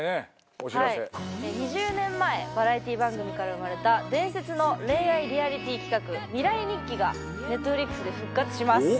お知らせ２０年前バラエティー番組から生まれた伝説の恋愛リアリティー企画「未来日記」がＮｅｔｆｌｉｘで復活します